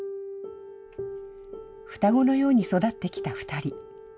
双子のように育ってきた２人。